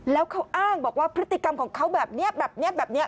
แล้วเขาอ้างบอกว่าพฤติกรรมของเขาแบบนี้แบบนี้